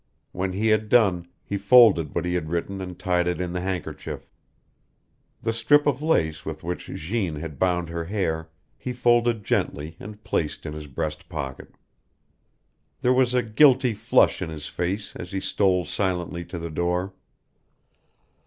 When he had done, he folded what he had written and tied it in the handkerchief. The strip of lace with which Jeanne had bound her hair he folded gently and placed in his breast pocket. There was a guilty flush in his face as he stole silently to the door.